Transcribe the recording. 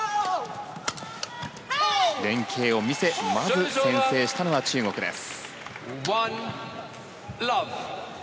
連係を見せまず先制したのは中国です。